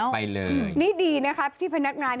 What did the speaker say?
ไปเลยนี่ดีว่าที่พนักงาน